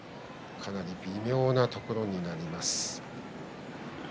かなり微妙なところになります。